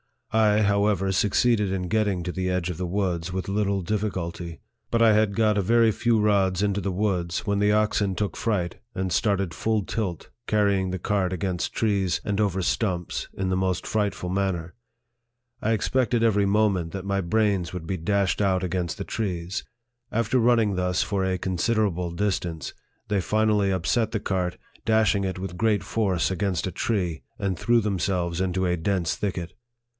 I, how ever, succeeded in getting to the edge of the woods with little difficulty ; but I had got a very few rods into the woods, when the oxen took fright, and started full tilt, carrying the cart against trees, and over stumps, in the most frightful manner. I expected every moment that my brains would be dashed out against the trees. After running thus for a consider able distance, they finally upset the cart, dashing it with great force against a tree, and threw themselves LIFE OF FREDERICK DOUGLASS. 59 into a dense thicket.